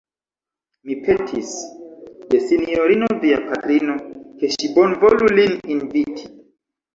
Mi petis de sinjorino via patrino, ke ŝi bonvolu lin inviti.